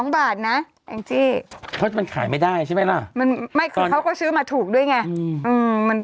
บาทนะแองจี้เพราะมันขายไม่ได้ใช่ไหมล่ะมันไม่คือเขาก็ซื้อมาถูกด้วยไง